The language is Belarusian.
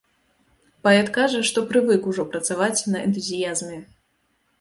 Паэт кажа, што прывык ужо працаваць на энтузіязме.